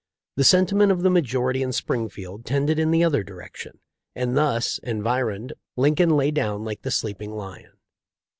The sentiment of the majority in Springfield tended in the other direc tion, and thus environed, Lincoln lay down like the sleeping lion.